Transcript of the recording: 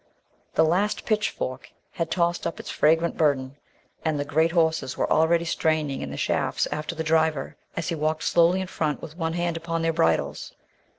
The last pitchfork had tossed up its fragrant burden, and the great horses were already straining in the shafts after the driver, as he walked slowly in front with one hand upon their bridles.